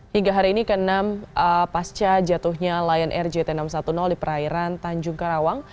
hingga hari ini ke enam pasca jatuhnya lion air jt enam ratus sepuluh di perairan tanjung karawang